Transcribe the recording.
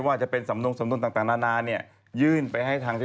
ว่าเขาเนี่ยทำอย่าง